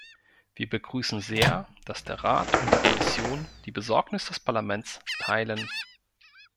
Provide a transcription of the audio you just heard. Wir begrüßen sehr, dass der Rat und die Kommission die Besorgnis des Parlaments teilen.